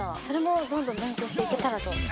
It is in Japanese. それもどんどん勉強していけたらなと。